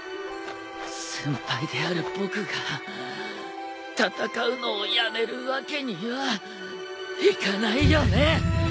先輩である僕が戦うのをやめるわけにはいかないよね。